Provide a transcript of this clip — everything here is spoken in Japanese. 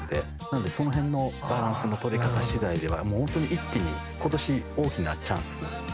なのでその辺のバランスの取り方しだいではホントに一気にことし大きなチャンス。